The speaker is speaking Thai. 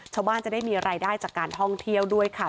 ชาวบ้านจะได้มีรายได้จากการท่องเที่ยวด้วยค่ะ